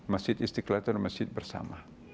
masjid istiqlal itu adalah masjid bersama